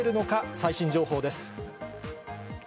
最新情報です。